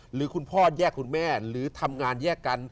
หรือคุณพ่อแยกคุณแม่หรือทำงานแยกกัน